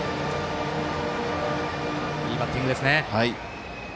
いいバッティングですね。